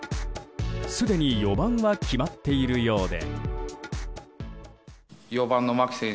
すでに４番は決まっているようで。